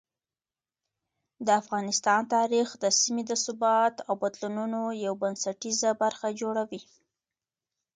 د افغانستان تاریخ د سیمې د ثبات او بدلونونو یو بنسټیزه برخه جوړوي.